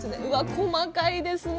細かいですね